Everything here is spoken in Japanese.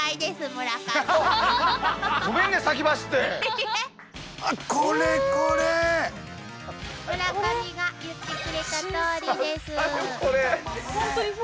村上が言ってくれたとおりです。